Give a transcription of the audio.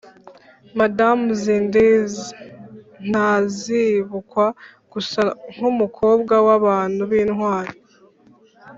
Madamu Zindzi ntazibukwa gusa nk'umukobwa w'abantu b'intwari